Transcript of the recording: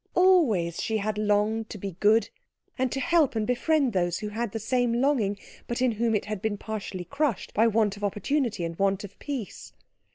Always she had longed to be good, and to help and befriend those who had the same longing but in whom it had been partially crushed by want of opportunity and want of peace.